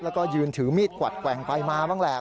แล้วก็ยืนถือมีดกวัดแกว่งไปมาบ้างแหละ